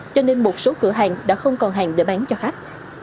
cho nên một số cửa hàng đã không còn hàng để bán cho khách